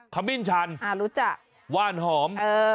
ขมิ่นฉันว่านหอม